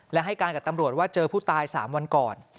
และให้การกับตำรวจว่าเจอผู้ตาย๓วันก่อน